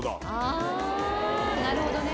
あなるほどね。